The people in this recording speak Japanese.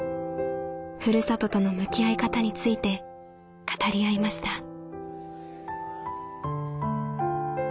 ふるさととの向き合い方について語り合いました。